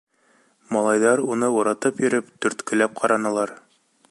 Малайҙар уны, уратып йөрөп, төрткөләп ҡаранылар.